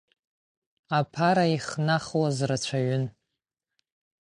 Аԥара ихнахуаз рацәаҩын.